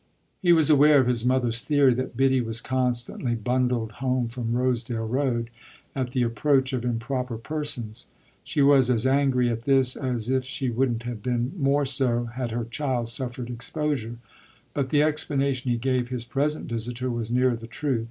He was aware of his mother's theory that Biddy was constantly bundled home from Rosedale Road at the approach of improper persons: she was as angry at this as if she wouldn't have been more so had her child suffered exposure; but the explanation he gave his present visitor was nearer the truth.